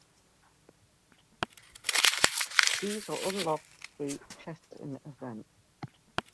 These are unlocked through chests in events.